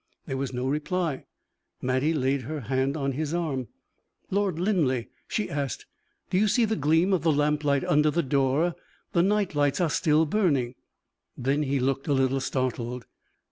There was no reply. Mattie laid her hand on his arm. "Lord Linleigh," she asked, "do you see the gleam of the lamplight under the door? The night lights are still burning." Then he looked a little startled.